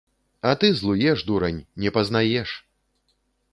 А ты злуеш, дурань, не пазнаеш!